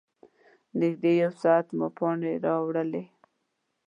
نږدې یو ساعت مو پانې واړولې.